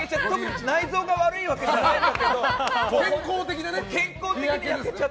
内臓が悪いわけじゃないんですけど。